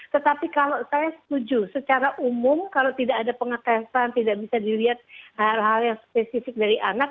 tetapi kalau saya setuju secara umum kalau tidak ada pengetesan tidak bisa dilihat hal hal yang spesifik dari anak